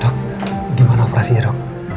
dok gimana operasinya dok